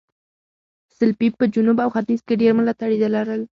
سلپيپ په جنوب او ختیځ کې ډېر ملاتړي لرل.